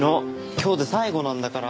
今日で最後なんだから。